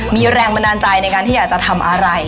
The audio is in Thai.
มีแรงบันดาลใจในการที่อยากจะทำอะไร